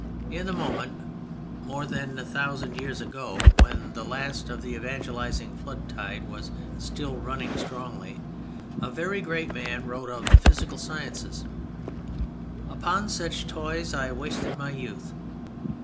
In the moment, more than a thousand years ago, when the last of the evangelizing floodtide was still running strongly, a very great man wrote of the physical sciences: "Upon such toys I wasted my youth."